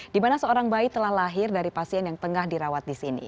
di mana seorang bayi telah lahir dari pasien yang tengah dirawat di sini